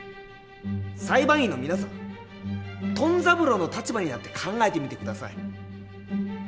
裁判員の皆さんトン三郎の立場になって考えてみて下さい。